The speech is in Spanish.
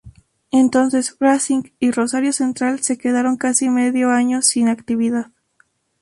Entonces, Racing y Rosario Central se quedaron casi medio año sin actividad.